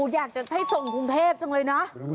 อยากจะให้ส่งกรุงเทพจังเลยนะ